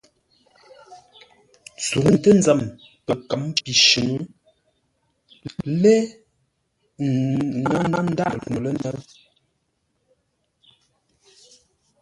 Zuŋtə́ nzəm pəkə̌m pi shʉ̌ŋ, lé ŋáa ndáʼ no lə́nə́ʉ.